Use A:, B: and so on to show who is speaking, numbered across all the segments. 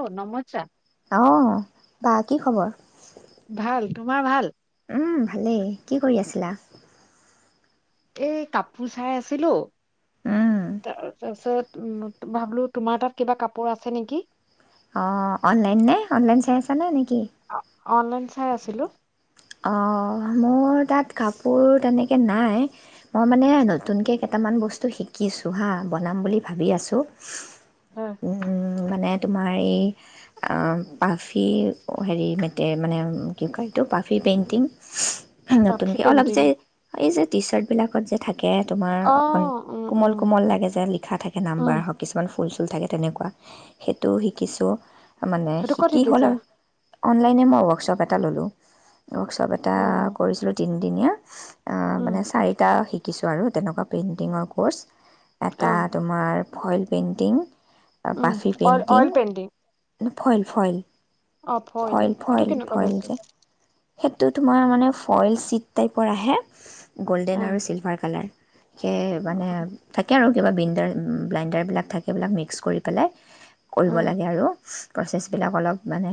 A: অ নমস্কাৰ
B: অ', [unintelligible] কি খবৰ?
A: ভাল তোমাৰ ভাল?
B: উম, ভালেই কি কৰি আছিলা?
A: এই কাপোৰ চাই আছিলো
B: উম
A: তাৰ-তাৰপাছত উম, ভাবিলো তোমাৰ তাত কিবা কাপোৰ আছে নেকি?
B: অ', অনলাইন নে? অনলাইন চাই আছ নে নেকি?
A: অনলাইন চাই আছিলো।
B: অ', মোৰ তাত কাপোৰ তেনেকৈ নাই মই মানে নতুনকৈ কেইটামান বস্তু শিকিছোঁ হা বনাম বুলি ভাবি আছো।
A: হয়,
B: উম, মানে তোমাৰ এই আ পাফি হেৰি ম মানে কি কয়টো পা ফ্ৰী পেইণ্টিং।
A: পাখি
B: নতুনকে অলপ
A: পেইণ্টিং
B: যে এই যে টি চাৰ্ট বিলাকত যে থাকে তাকে তোমাৰ
A: অ
B: অকন
A: উম
B: কোমল
A: উম
B: কোমল লাগে যে লিখা থাকে
A: উম
B: নাম্বাৰ হওঁক কিছুমান ফুল [unintelligible] থাকে তেনেকুৱা সেইটো শিকিছোঁ। মানে
A: সেইটো ক'ত
B: শিকি হ'ল
A: শিকিছা
B: আৰু। অনলাইনে মই ৱৰ্কশ্বপ এটা ল'লো। ৱৰ্কশ্বপ এটা
A: অ
B: কৰিছিলোঁ তিন দিনীয়া অ',
A: উম
B: মানে চাৰিটা শিক শিকিছোঁ আৰু তেনেকুৱা পেইণ্টিঙৰ ক'ৰ্চ।
A: অ
B: এটা তোমাৰ। ফইল পেইণ্টিং
A: উম
B: পাফি painting
A: oil painting
B: foil foil
A: অ ফইল সেইটো
B: ফইল
A: কেনেকুৱা
B: ফইল
A: বস্তু
B: যে সেইটো তোমাৰ মানে ফইল চিড টাইপৰ আহে
A: অ
B: গ'ল্ডেন আৰু চিলভাৰ কালাৰ সেই মানে
A: অ
B: থাকে আৰু কেতিয়াব বিণ্ডাৰ উম ', ব্লাইণ্ডাৰবিলাক থাকে এইবিলাক মিক্স কৰি পেলাই
A: অ
B: কৰিব লাগে আৰু প্ৰচেছবিলাক অলপ মানে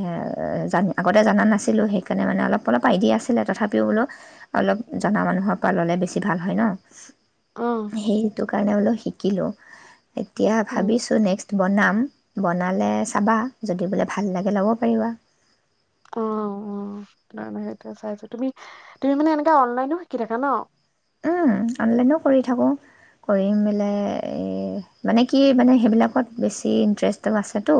B: জানো আগতে জানা নাছিলোঁ সেইকাৰণে মানে অলপ অলপ আইডিয়া আছিলে তথাপিও বোলো অলপ জনা মানুহৰ পৰা ল'লে বেছি ভাল হয় ন।
A: অ
B: সেইটো কাইলে বুলি শিকিলো। এতিয়া
A: উম
B: ভাবিছোঁ নেক্সট বনাম, বনালে চাবা যদি বোলে ভাল লাগে ল'ব পাৰিবা।
A: অ', - অ', সেই চাইছো তুমি - তুমি মানে এনে অনলাইনো শিকি থাকা ন।
B: উম' অনলাইনো কৰি থাকোঁ কৰি মেলাই এই মানে কি মানে সেইবিলাকত বেছি ইণ্টাৰেষ্ট আছেতো।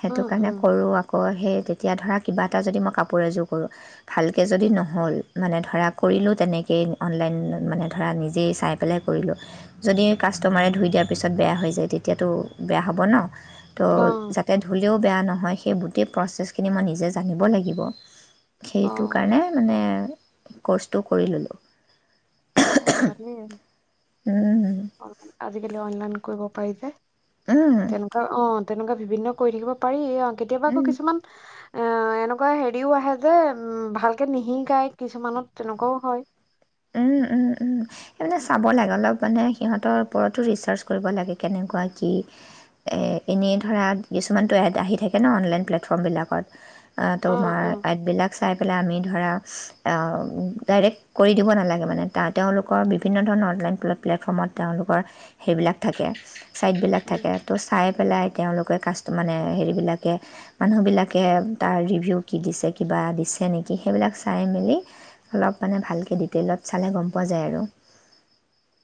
B: সেইটো
A: উম
B: কাৰণে
A: উম
B: কৰোঁ আকৌ সেই তেতিয়া ধৰা কিবা এটা যদি মই কাপোৰ এযোৰ কৰোঁ ভালকৈ যদি নহ'ল মানে ধৰা কৰিলোঁ তেনেকেই অনলাইন মানে ধৰা নিজেই চাই পেলাই কৰিলোঁ যদি কাষ্টমাৰে ধুই দিয়াৰ পিছত বেয়া হৈ যায় তেতিয়াতো বেয়া হ'ব ন।
A: অ
B: ত', যাতে ধূলেও বেয়া নহয় সেই গোটেই প্ৰচেছখিনি মই নিজে জানিব লাগিব। সেইটো
A: অ
B: কাৰণে মানে ক'ৰ্চটো কৰি ল'লোঁ।
A: অহ ', ভালেই। অ ', আজিকালি অনলাইন কৰিব পাৰি যে
B: উম,
A: তেনেকুৱা অ', তেনেকুৱা বিভিন্ন কৰি থাকিব পাৰি এয়া কেতিয়াবা আকৌ
B: উম,
A: কিছুমান এ ', এনেকুৱা হেৰিও আহে যে উম ', ভালকে নিহিকায় কিছুমানত তেনেকুৱাও হয়।
B: উম - উম - উম সেই মানে চাব লাগে অলপ মানে সিহঁতৰ ওপৰতো ৰিচাৰ্চ কৰিব লাগে। কেনেকুৱা কি এনেই ধৰা কিছুমানতটো এড আহি থাকে ন অনলাইন প্লেটফৰ্মবিলাকত। অহ ',
A: অ
B: তোমাৰ
A: অ
B: এডবিলাক চাই পেলাই আমি ধৰা অহ ', ডাইৰেক্ট কৰি দিব না লাগে মানে তা তেওঁলোকৰ বিভিন্ন ধৰণৰ অনলাইন প্লেটফৰ্মত তেওঁলোকৰ সেইবিলাক থাকে। চাইডবিলাক
A: উম
B: থাকে ত', চাই পেলাই তেওঁলোকে কাষ্ট, মানে, হেৰিবিলাকে, মানুহবিলাকে, তাৰ ৰিভিউ কি দিছে, কিবা দিছে নেকি, সেইবিলাক চাই-মেলি অলপ, মানে, ভালকে দি টেইলত চালে গম পোৱা যায় আৰু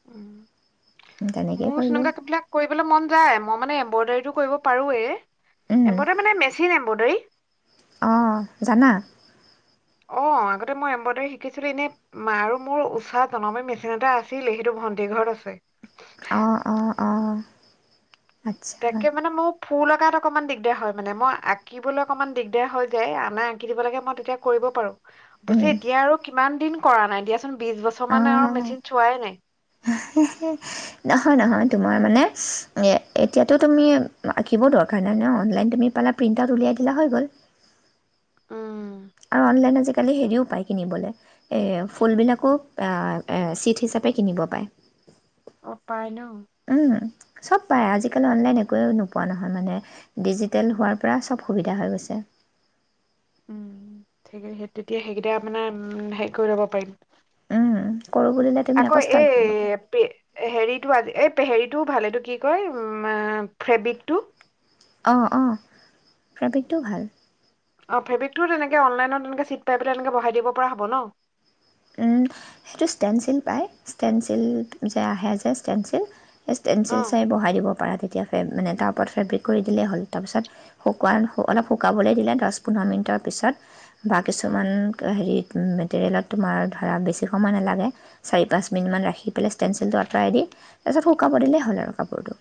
A: উম',
B: তেনেকেই
A: মোৰ
B: কৰিলোঁ
A: [unintelligible] বিলাক কৰিবলে মন যায়। মই, মানে, এম্ব্ৰইডাৰী টো কৰিব পাৰোঁৱে
B: উম,
A: এম্ব্ৰইডাৰী, মানে, মেচিন এম্ব্ৰইডাৰী।
B: অঁ জানা
A: অ', আগতে মই এম্ব্ৰইডাৰী শিকিছিলোঁ। এনে মা, আৰু মোৰ উষা জনবয় মেচিন এটা আছিলেই। সেইটো ভণ্টীৰ ঘৰত আছে।
B: অ', অ', অ'।
A: তাকে মানে মোৰ ফুল অকাত অকণমান দিগদাৰ হয়। মানে, মই আকিবলৈ অকণমান দিগদাৰ হৈ যায়। আনে আকি দিব লাগে, মই তেতিয়া কৰিব পাৰোঁ। পাছে এতিয়া আৰু কিমান দিন কৰা নাই দিয়া দিয়াচোন বিশ বছৰ
B: অ',
A: মান আৰু মেচিন চোৱাই নাই
B: [unintelligible] নহয়, নহয়, তোমাৰ মই, মানে, এ, এতিয়াটো তুমি আঁকিবও দৰকাৰ নাই ন। অনলাইন তুমি পালা, প্ৰিণ্ট আউট উলিয়াই দিলা, হয় গ'ল।
A: উম।
B: আৰু অনলাইন আজি আজিকালি হেৰিও পায়, কিনিবলে। এই ফুলবিলাকো চিট হিচাপে কিনিব পায়।
A: অ', পাই ন?
B: উম, চব পায় আজি আজিকালি অনলাইন একোৱেই নোপোৱা নহয়। মানে, ডিজিটেল হোৱাৰ পৰা চব সুবিধা হৈ গৈছে।
A: উম, তেতিয়া সেইকেইটা, মানে, উম, হেৰি কৰি ল'ব পাৰিম।
B: উম, কৰোঁ বুলিলে তুমি
A: আকৌ
B: ষ্টাৰ্ট কৰিব পাৰা
A: এই পে হেৰিত টো, আজি, এই হেৰিটো ভাল। এইটো কি কয়? আ, ফেব্ৰিকটো
B: অ', অ'। ফেব্ৰিকটো ভাল।
A: অ', ফেব্ৰিকটো তেনেকে অনলাইনত এনেকে চিট পাই পেলাই, এনেকে বঢ়াই দিব পৰা হ'ব ন?
B: উম, সেইটো ষ্টেনচিল পায়। ষ্টেনচিল যে আহে, যে, ষ্টেনচিল সেই
A: অ
B: ষ্টেনচিল চাই বঢ়াই দিব পৰা, তেতিয়াহ'লে, মানে, তাৰ ওপৰত ফেব্ৰিক কৰি দিলেই হ'ল। তাৰ পিছত শুকুৱা। অলপ শুকাবলৈ দিলে, দহ-পোন্ধৰ মিনিটৰ পিছত বা
A: উম
B: কিছুমান, হেৰিত মেটেৰিয়েলত তোমাৰ ধৰা বেছি সময় নালাগে। চাৰি-পাঁচ মিনিটমান ৰাখি পেলাই, ষ্টেনচিলটো আঁতৰাই দি, তাৰ পিছত শুকাব দিলেই হ'ল। আৰু কাপোৰটো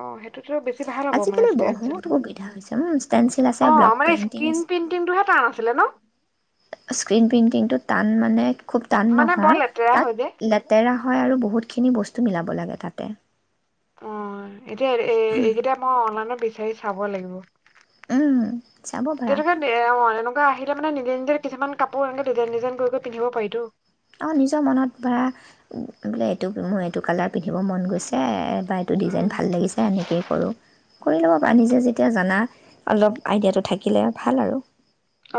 A: অ', সেই টো বেছি ভাল হ'ব, মানে,
B: আজিকালি বহুত
A: ষ্টেনচিলটো।
B: সুবিধা হৈছে ষ্টেনচিল আছে
A: অ',
B: ব্লক
A: আমাৰ এই
B: পেইণ্টিং
A: স্ক্ৰীন পেইণ্টিংটো হে টান আছিলে ন?
B: স্ক্ৰীন পেইণ্টিংটো টান, মানে খুব টান
A: মানে বৰ
B: নহয়।
A: লেতেৰা হয় যে
B: তাত লেতেৰা হয়, আৰু বহুতখিনি বস্তু মিলাব লাগে তাতে
A: অ', এতিয়া এ এইকেইটা মই অনলাইনত বি বিচাৰি চাব লাগিব।
B: উম, চাব পাৰা
A: তেনেকুৱা নহ'ও এনেকুৱা আহিলে মানে নিজে নিজে কিছুমান কাপোৰ এনেকে ডিজাইন ডিজাইন কৰি পিন্ধিব পাৰি টো
B: অ', নিজৰ মনত ভৱা বোলে এইটো মোৰ এইটো কালাৰ পিন্ধিব মন গৈছে বা এইটো ডিজাইন
A: উম
B: ভাল লাগিছে এনেকৈয়ে কৰোঁ। কৰি ল'ব পাৰা নিজে যেতিয়া জানা অলপ আইডিয়াটো থাকিলে ভাল আৰু।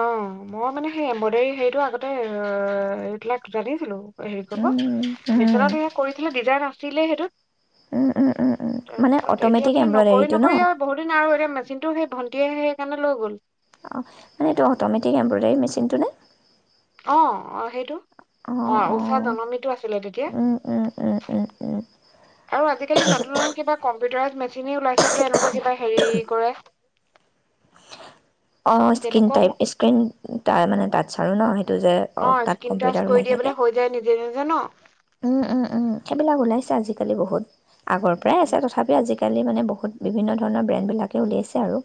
A: অ', মই মানে সেই এম্ব্ৰইডাৰী হেৰিটো আগতে ৰৰ এইিলাক জানিছিলো। হেৰি কব
B: উম, উম,
A: মিচিনে দি কৰি থাকিলে ডিজাইন আছে। দিলে
B: উম, উম, উম, উম।
A: সেইটোত।
B: মানে
A: তাৰপিছত এতিয়া
B: অট'মেটিক
A: মানে নকৰি
B: এম্ব্ৰইডাৰীটো ন
A: নকৰি
B: অঁ
A: আৰু বহুত দিন আৰু এতিয়া মেচিনতটো সেই ভন্টিয়ে হে সিহঁতে লৈ গ'ল।
B: অ মানে, এইটো অটমেটিক এমইডাৰী মেচিনটো নে?
A: অ, অ' সেইটো
B: অঁ
A: অ ঊষা জমানাটো আছিলে তেতিয়া
B: অঁ
A: আৰু আজিকালি নতুন নতুন কিবা কম্পিটাৰাইজ মেচিনে ওলাইছে বোলে এনেকুৱা কিবা হেৰি কৰে।
B: অ স্ক্ৰিন টাইপ,
A: তেনেকুৱাও
B: স্ক্ৰিন। তাৰ মানে তাত চাৰ ন আহে
A: অ' স্কিন টাচ কৰি দিয়ে বোলে হৈ যায় নিজে নিজে। জ ন।
B: উম উম উম সেইবিলাক ওলাইছে আজিকালি বহুত। আগৰ পৰাই আছে
A: উম
B: তথাপিও আজি আজিকালি মানে বহুত বিভিন্ন ধৰণৰ ব্ৰেণ্ডবিলাকে উলিয়াইছে আৰু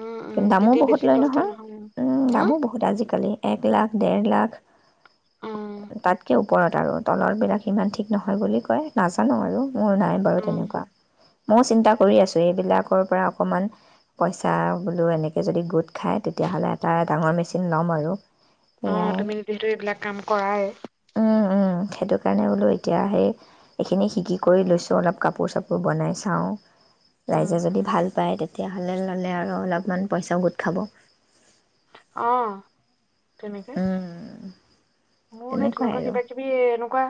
A: উম উম,
B: কিন্তু দামো
A: তেতিয়া
B: বহুত
A: বেছি
B: লয়
A: কষ্ট
B: নহয়,
A: উম
B: দামো বহুত আজিকালি। এক লাখ, ডেৰ লাখ।
A: উম
B: তাতকে ওপৰত আৰু তলৰবিলাক সিমান ঠিক নহয় বুলি কয় নাজানো আৰু মোৰ নাই বাৰু
A: উম
B: তেনেকুৱা। মইও চিন্তা কৰি আছোঁ, এইবিলাকৰ পৰা অকণমান পইচা বোলো এনেকে যদি গোট খায় তেতিয়াহ'লে এটা ডাঙৰ মেচিন ল'ম আৰু
A: অ'
B: সেয়াই
A: তুমি যিহেতু এইবিলাক কাম কৰায়ে।
B: উম উম। সেইটো কাৰণে বোলো এতিয়াহেই এইখিনি শিকি কৰি লৈছোঁ অলপ কাপোৰ-চাপোৰ বনাই চাওঁ।
A: উম
B: ৰাইজে যদি
A: উম
B: ভাল পায় তেতিয়া। তেতিয়াহ'লে ল'লে আৰু অলপমান পইচাও গোট খাব।
A: অ। কেনেকে?
B: উম
A: মোৰ সেই
B: তেনেকুৱাই
A: তেনেকুৱা
B: আৰু
A: কিবা কিবি এ এনেকুৱা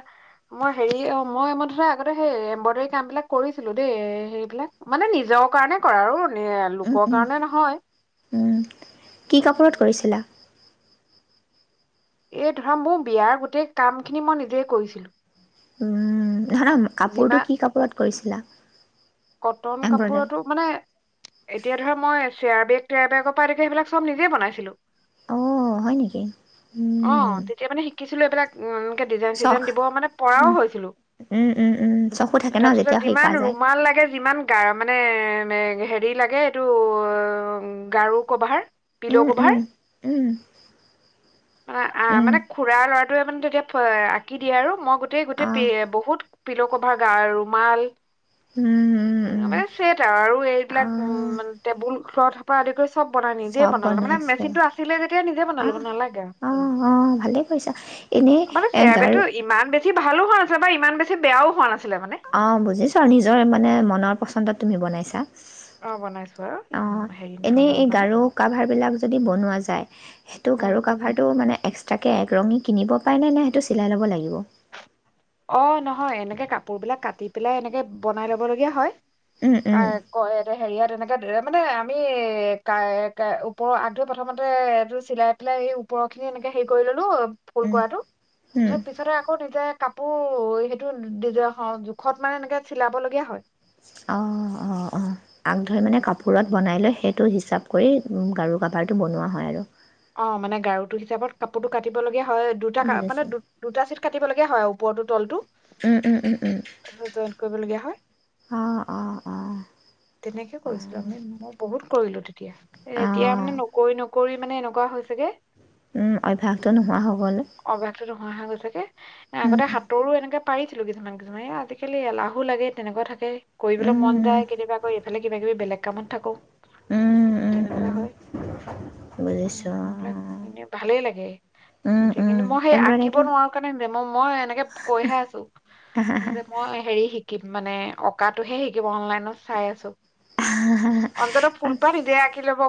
A: মই হেৰি অ' মই মই ধৰা আগতে সেই এম্ব্ৰডাৰী কাম বিলাক কৰিছিলো দেই, হেৰিবলাক মানে নিজৰ কাৰণে কৰা আৰু এ
B: উম
A: লোকৰ
B: উম
A: কাৰণে নহয়।
B: উম। কি কাপোৰত কৰিছিলা?
A: এই ধৰা মোৰ বিয়াৰ গোটেই কামখিনি মই নিজেই কৰিছিলোঁ।
B: উম। ধৰা, কাপোৰটো
A: যিমান
B: কি কাপোৰত কৰিছিলা?
A: কটন
B: এম্ব্ৰইডাৰী
A: কাপোৰতো, মানে এতিয়া ধৰা মই চিয়াৰ বেগ টিয়াৰ বেগৰ পৰা আদি কৰি সবিলাক চব নিজে বনাইছিলো।
B: অ' হয় নেকি উম
A: ছিলো এইবিলাক দিজাইন চিজাইন
B: চখ
A: দিব মানে পৰাও
B: উম
A: হৈছিলো।
B: উম উম উম চখো থাকে ন
A: তাৰপিছতে
B: যেতিয়া
A: যিমান
B: শিকা যায়
A: ৰুমাল লাগে ইমান গা মানে হেৰি লাগে এইটো অ' গাৰু কভাৰ বিল কভাৰ, মানে আহ মানে খুৰাৰ লৰা তোৱে মানে তেতিয়া আঁকি দিয়ে আৰু, মই গোটেই গোটেই পি
B: অঁ
A: বহুত পি'ল কভাৰ, গা ৰুমাল
B: অঁ
A: মানে ছেট আৰু আৰু এইবিলাক উ
B: অঁ
A: মান টেবুল থোৱাসোপা আদি কৰি চব বনাই নিজে
B: চব
A: বনালো
B: বনাইছো
A: মেচিন টো আছিলে যেতিয়া নিজে বনালো
B: আহ
A: নেলাগে
B: অ অ ভালে কৰিছা এনেই
A: আও
B: এ
A: চেয়াবেত
B: গাৰু
A: ইমান বেছি ভালো হোৱা নিছিলে বা ইমান বেছি বেয়াও হোৱা নাছে
B: অ' বুজিছ নিজৰ মানে মনৰ পচন্দত তুমি বনাইছা।
A: অ বনাইছো আৰু
B: অ'
A: উম, হেৰি
B: এনে
A: নহলেও
B: এই
A: মানে
B: গাৰু কাভাৰ বিলাক যদি বনোৱা যায়, সেইটো
A: উম
B: গাৰু কাভাৰটো মানে এক্ তাকে এক ৰঙী কিনিব পাই নে? নে সেইটো চিলাই ল'ব লাগিব।
A: অ' নহয়, এনেকে কাপোৰ বিলাক কাটি পেলাই এনেকে বনাই লব লগীয়া হয়।
B: উম
A: অ
B: উম
A: কয় হেৰি আৰু এনেকে এ মানে আমি ওপৰৰ আগ ধৰি প্ৰথমতে এইটো চিলাই পেলাই এই ওপৰৰ খিনি এনেকে হেৰি কৰি ললো ফুল
B: উম
A: কৰাটো,
B: উম
A: তাৰপিছত পিছতে আকৌ নিজে কাপোৰ সেইটো জোখত মানে এনেকে চিলাব লগিয়া হয়।
B: অ' অ' অ' আগ ধৰি মানে কাপোৰত বনাই লৈ সেইটো হিচাপ কৰি গাৰু কাভাৰটো বনোৱা হয় আৰু।
A: অ' মানে গাৰু টো হিচাপত কাপোৰতো কাটিব লগিয়া হয় দুটা মানে
B: বুজিছোঁ
A: দু দুটা চিট কাটি পিব [unintelligible] লগীয়া হয় ওপৰতো তলতটো।
B: উম উম উম উম
A: জইন কৰিবলীয়া হয়।
B: অঁ অঁ অঁ
A: তেনেকে কৰিছিলো আমি মই বহুত কৰিলো এতিয়া মানে নকৰি নকৰি কৰি মানে এনেক কোৱা হ'ল।
B: উম, অভ্যাসটো নোহোৱা হৈ গ'ল।
A: অভ্যাসটো নোহোৱা হৈ গৈছেগে
B: উম
A: আগতে হাতৰো এনেকে পাৰিছিলো কিছুমান কিছুমান এই আজিকালি এলাহো লাগে তেনেকুৱা থাকে। কৰিবলৈ মন
B: উম
A: যায়, কেতিয়াবা আকৌ এইফালে কিবা কিবি বেলেগ কামত থাকো,
B: উম উম
A: তেনেকুৱা
B: উম
A: হয়।
B: বুজিছো
A: এইবিলাক ইনে ভালেই লাগে
B: উম
A: এতিয়া
B: উম
A: কিন্তু মই সেই আঁকিব
B: এম্ব্ৰইডাৰীটো
A: নোৱাৰো, কাৰণে মই মই এনেকে কৈ হে আছো যে, মই হেৰি শিকিম মানে অঁকাটোহে শিকিম অনলাইনত চাই আছো, অন্তত ফুলপাহ নিজে আঁকি ল'ব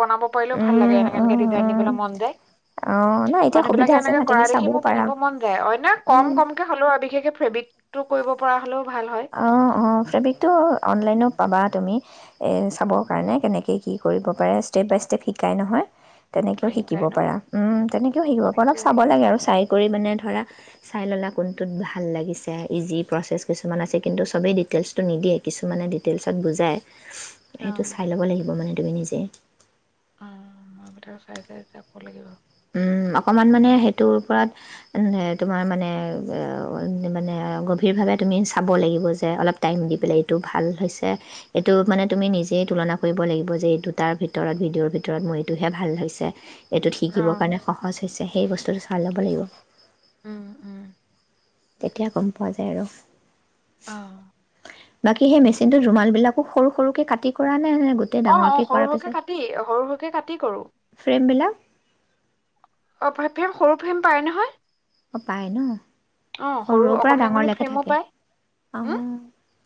A: বনাব পাৰিলেও ভাল লাগে
B: উম
A: এনে
B: উম উম
A: [unintelligible] মন যায়,
B: অ নাই এতিয়া সুবিধা
A: মানু্হবিলাকে
B: আছে
A: এনেকে
B: না
A: কৰা
B: তুমি
A: দেখি
B: চাবও
A: মোৰ
B: পাৰা
A: পিন্ধিব মন যায়, অন্য কম
B: উম
A: কম কে হলেওঁ বিশেষকে ফ্ৰেবিক টো কৰিব পৰা হ'লেও ভাল হয়
B: অ', অ', ফেব্ৰিকটো অনলাইনো পাবা তুমি এ চাব কাৰণে কেনেকে কি কৰিব পাৰে ষ্টেপ বাই ষ্টেপ শিকাই নহয়।
A: অ,
B: তেনেকেও শিকিব
A: শিকাই ন
B: পাৰা উম, তেনেকেও শিকিব
A: মই
B: পাৰা, অলপ
A: এতিয়া
B: চাব
A: আহিলে
B: লাগে আৰু চাই কৰি মানে ধৰা চাই ল'লা কোনটোত ভাল লাগিছে ইজি প্ৰচেছ কিছু কিছুমান আছে কিন্তু চবেই ডিটেইলছটো নিদিয়ে, কিছুমানে ডিটেইলছত বুজায়।
A: অ
B: সেইটো চাই ল'ব লাগিব মানে তুমি নিজে
A: অ', এইবিলাক চাই, চাই যাব লাগিব।
B: উম, অকমান মানে সেইটোৰ ওপৰত উম, নে তোমাৰ মানে মানে গভীৰভাৱে তুমি চাব লাগিব যে, অলপ টাইম দি পেলাই এইটো ভাল হৈছে এইটো মানে তুমি নিজেই তুলনা কৰিব লাগিব যে, এই দুটাৰ ভিতৰত ভিডিঅ'ৰ ভিতৰত মোৰ এইটোহে ভাল হৈছে। এইটোত
A: অ
B: শিকিব মানে সহজ হৈছে সেই বস্তুটো চাই ল'ব লাগিব।
A: উম উম
B: তেতিয়া গম পোৱা যায় আৰু।
A: অ'।
B: বাকী সেই মেচিনটোত ৰুমাল বিলাকো সৰু সৰুকে কাটি কৰা নে গোটেই
A: অ', অ',
B: ডাঙৰকৈ
A: সৰু
B: কৰাৰ
A: সৰুকে
B: পিছত
A: কাটি, সৰু সৰুকে কাটি কৰোঁ।
B: ফ্ৰেমবিলাক
A: অ', ফ্ৰেম ফ্ৰেম সৰু ফ্ৰেম পাই নহয়।
B: অ', পায় ন?
A: অ', সৰু
B: সৰুৰ পৰা
A: অকমানি অকমানি
B: ডাঙৰলৈকে
A: ফ্ৰেমো
B: থাকে
A: পায় উম',
B: অ',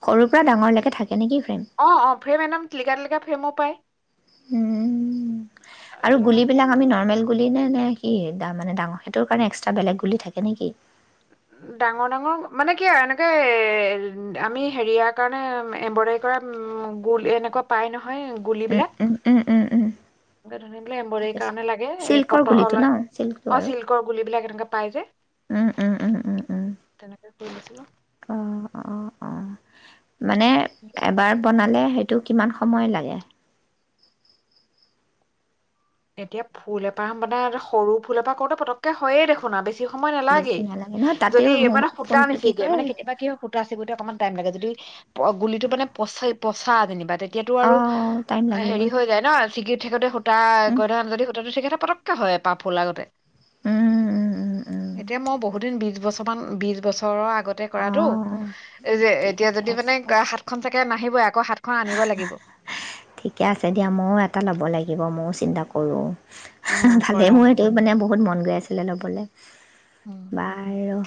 B: সৰুৰ পৰা ডাঙৰলৈকে থাকে নেকি ফ্ৰেম?
A: অ', অ', ফ্ৰেম একদম টিলিকা টিলিকা ফ্ৰেমো পায়।
B: উম, আৰু
A: তেনেকুৱা সেইবিলাক
B: গুলিবিলাক আমি নৰ্মেল গুলি গ নে নে কি মানে ডাঙৰ সেইটোৰ কাৰণে এক্সট্ৰা বেলেগ গুলি থাকে নেকি।
A: ডাঙৰ ডাঙৰ মানে কি আৰু এনেকে এ আমি হেৰিয়াৰ কাৰণে এম্ব্ৰইডাৰী কৰা গোল এনেকুৱা পাই নহয়। হয়
B: উম,
A: গুলিবিলাক।
B: উম, উম, উম, উম,
A: এ ধুনীয়া বলে এম্ব্ৰইডৰীৰ
B: বুজিছোঁ।
A: কাৰণে লাগে ক
B: চিল্কৰ গুলিটো ন চিল্কটো
A: অ
B: আৰু
A: চিল্কৰ গুলিবিলাক এনে পাই যে।
B: উম, উম, উম, উম, উম।
A: তেনেকে কৰি দিছিলো।
B: অ', অ', অ মানে এবাৰ বনালে সেইটো কিমান সময় লাগে।
A: এতিয়া ফুল এপাঁহ বনা সৰু ফুল এপাঁহ কৰোতে পতককে হয়য়ে দেখোন আৰু বে বেছি সময় নালাগে,
B: বেছি নহয় তাতেও
A: যদি মানে সূতা
B: ফোনটো কি
A: নিচিগে মানে
B: কয়
A: কেতিয়াবা কি হয় সূতা চিগোতে অকনমান টাইম লাগে যদি। গুলিটো মানে পচাই পচা যেনিবা তে এতিয়াতো আৰু
B: অ', টাইম
A: হেৰি
B: লাগিবই।
A: হৈ যায় ন চিকি ইহতে সূতা
B: উম,
A: যদি সূতাতো থিকেথাকে পতককে হয় এপাহ ফুল আগতে
B: উম, উম, উম, উম,
A: এতিয়া মই বহুত দিন বিশবছৰমান বিশবছৰ বছৰৰ আগ
B: অ',
A: কৰাতোএতিয়া
B: ঠিকে
A: যদি মানে
B: আছে।
A: হাত খন চাগে মা
B: ঠিকে আছে দিয়া ময়ও এটা ল'ব লাগিব ম চিন্তা কৰোঁ।
A: উম
B: ভালে
A: কৰা
B: মোৰ এইটো মানে বহুত মন। গৈ আছিলে ল'বলৈ
A: উম
B: বাৰু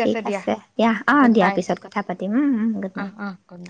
B: ঠিক আছে, দিয়া অ
A: গুড
B: দিয়া
A: নাইট
B: পিছত কথা পাতিম উম গুড
A: অহ
B: নাইট।
A: অহ গুড নাইট